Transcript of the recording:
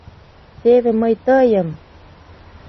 Теве мый тыйым!